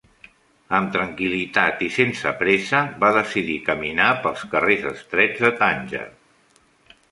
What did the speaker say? Amb tranquil·litat i sense pressa, va decidir caminar pels carrers estrets de Tànger.